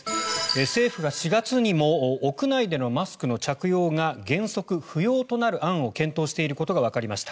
政府が４月にも屋内のマスクの着用が原則不要となる案を検討していることがわかりました。